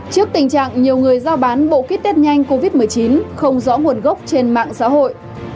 trước tình trạng nhiều người giao bán bộ kít tết nhanh covid một mươi chín không rõ nguồn gốc trên mạng xã hội